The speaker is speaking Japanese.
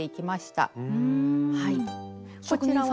こちらは。